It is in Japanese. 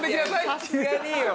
いやさすがによ。